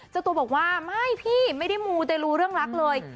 เจ้าตัวบอกว่าไม่พี่ไม่ได้มูเตรลูเรื่องรักเลย